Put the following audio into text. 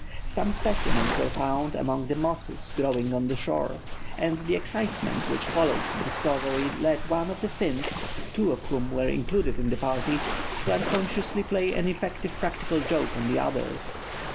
Some specimens were found among the mosses growing on the shore, and the excitement which followed the discovery led one of the Finns, two of whom were included in the party, to unconsciously play an effective practical joke on the others.